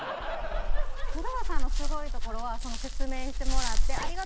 クルーさんのすごいところはその説明してもらって。